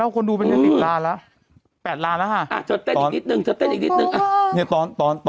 อันนี้หล่อเลิศจริง